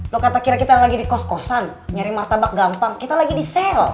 loh kata kira kita lagi di kos kosan nyari martabak gampang kita lagi di sel